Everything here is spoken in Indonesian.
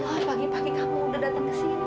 ya allah pagi pagi kamu udah datang ke sini